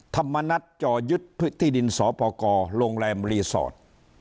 ธรรมนัฏจะยึดพื้นที่ดินสพกโรงแรมรีสอร์ต